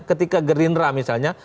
ketika gerindra misalnya